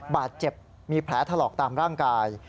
บาดเจ็บมีแผลถลอกตามร่างกาย